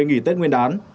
nghỉ tết nguyên đán